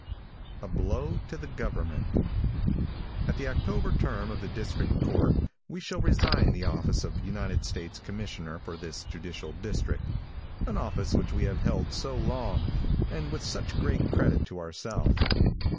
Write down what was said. A BLOW TO THE GOVERNMENT |AT the October term of the district court we shall resign the office of United States Commissioner for this judicial district, an office which we have held so long, and with such great credit to ourself.